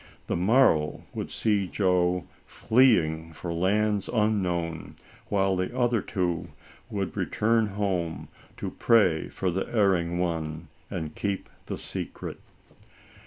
The morrow would see Joe fleeing for lands unknown, while the other two would return home, to pray for the erring one, and keep the secret.